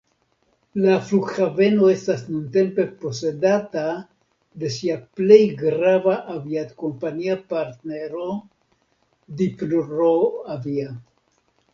La flughaveno estas nuntempe posedata de sia plej grava aviadkompania partnero Dniproavia.